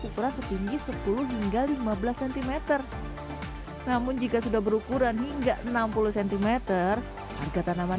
ukuran setinggi sepuluh hingga lima belas cm namun jika sudah berukuran hingga enam puluh cm harga tanaman